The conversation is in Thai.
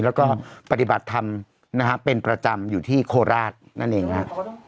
แล้วก็ปฏิบัติธรรมนะฮะเป็นประจำอยู่ที่โคราชนั่นเองฮะ